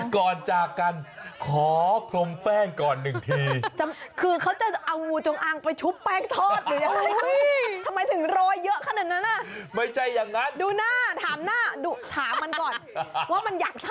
ก่อนจากกันไปดูภาพกันครับอุ๊ย